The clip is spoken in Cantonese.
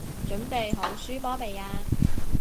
準備好輸波未啊？